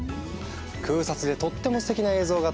空撮でとってもステキな映像が撮れる！